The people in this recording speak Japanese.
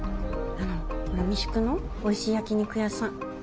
あのほら三宿のおいしい焼き肉屋さん。